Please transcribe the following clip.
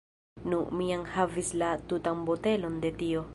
Nu, mi jam havis la tutan botelon de tio